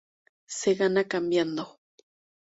Se gana cambiando.